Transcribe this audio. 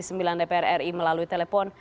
jelanda prri melalui telepon